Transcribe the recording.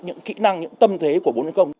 những kỹ năng những tâm thế của bốn